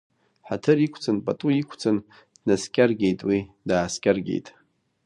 Ҳаҭыр иқәҵан, пату иқәҵан, днаскьаргеит уи, дааскьаргеит.